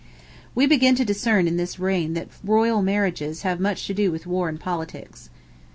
We begin to discern in this reign that royal marriages have much to do with war and politics.